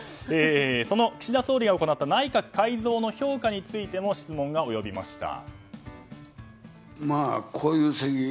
その岸田総理が行った内閣改造の評価についても質問が及びました。